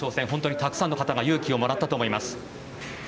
本当にたくさんの方が勇気をもらったと思います。